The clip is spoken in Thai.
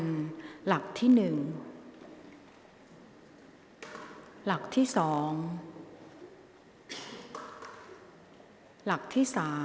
กรรมการท่านที่ห้าได้แก่กรรมการใหม่เลขเก้า